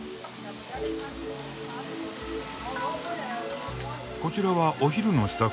こちらはお昼の支度かな？